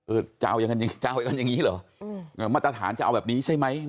เออจะเอาอย่างนั้นอย่างนี้เหรอมาตรฐานจะเอาแบบนี้ใช่ไหม